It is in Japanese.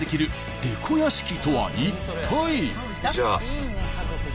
いいね家族で。